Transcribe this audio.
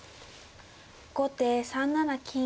後手３七金。